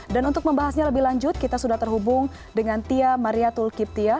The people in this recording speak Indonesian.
dan untuk membahasnya lebih lanjut kita sudah terhubung dengan tia mariatul kiptia